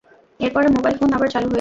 এরপরে mobile phone আবার চালু হয়েছে।